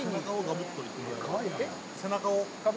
背中を？